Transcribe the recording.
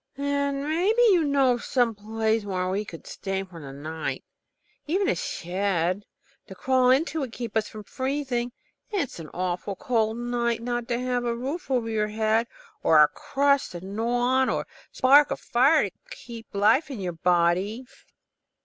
"Then maybe you know of some place where we could stay to night. Even a shed to crawl into would keep us from freezing. It's an awful cold night not to have a roof over your head, or a crust to gnaw on, or a spark of fire to keep life in your body."